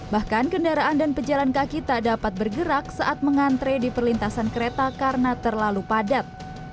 bahkan kendaraan dan pejalan kaki tak dapat bergerak saat mengantre di perlintasan kereta karena terlalu padat